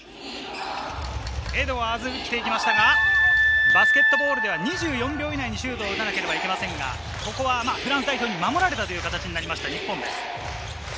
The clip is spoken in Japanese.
エドワーズが打っていきましたが、バスケットボールでは２４秒以内にはシュートを打たなければなりませんが、フランスに守られたという形になりました。